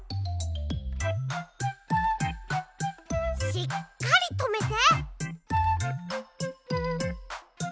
しっかりとめて。